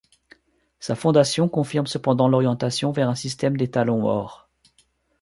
Sa fondation confirme cependant l'orientation vers un système d'étalon-or.